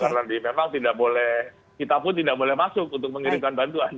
karena memang tidak boleh kita pun tidak boleh masuk untuk mengirimkan bantuan